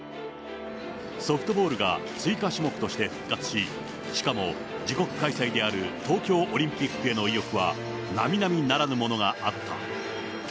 ソフトボールが追加種目として復活し、しかも自国開催である東京オリンピックへの意欲は、並々ならぬものがあった。